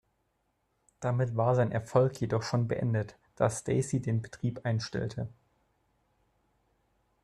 Damit war sein Erfolg jedoch schon beendet, da Stacy den Betrieb einstellte.